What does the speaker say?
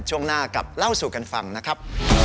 ช่วงหน้ากลับเล่าสู่กันฟังนะครับ